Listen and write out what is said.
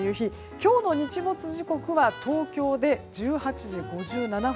今日の日没時刻は東京で１８時５７分。